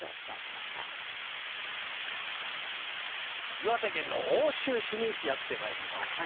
岩手県の奥州市にやってまいりました。